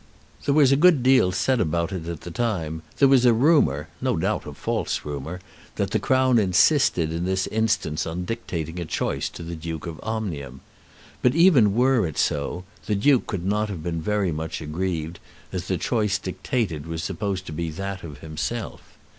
There was a good deal said about it at the time. There was a rumour, no doubt a false rumour, that the Crown insisted in this instance on dictating a choice to the Duke of Omnium. But even were it so, the Duke could not have been very much aggrieved, as the choice dictated was supposed to be that of himself.